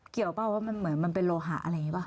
เปล่าว่ามันเหมือนมันเป็นโลหะอะไรอย่างนี้ป่ะ